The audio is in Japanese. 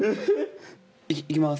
行きます。